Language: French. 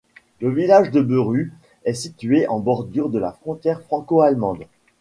Le village de Berus est situé en bordure de la frontière franco-allemande.